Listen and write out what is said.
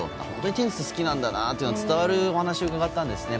テニス好きなんだというのが伝わるお話を伺ったんですね。